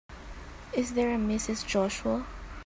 Is there a Mrs. Joshua?